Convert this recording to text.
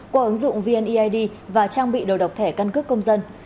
qua ứng dụng vneid và trang bị đầu độc thẻ căn cước công dân